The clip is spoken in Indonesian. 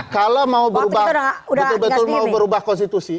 kalau mau berubah konstitusi